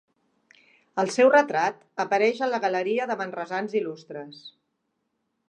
El seu retrat apareix a la Galeria de manresans il·lustres.